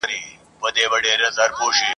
او «عام» پت پلورونکي چي